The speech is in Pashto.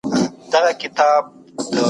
کرکه زموږ د ځان ساتنې یوه لاره ده.